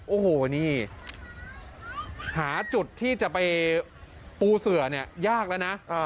โอ้โหนี่หาจุดที่จะไปปูเสือเนี่ยยากแล้วนะ